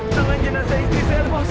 tangan jenazah istri saya ustadz